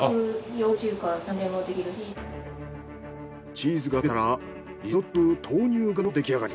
チーズが溶けたらリゾット風豆乳がゆの出来上がり。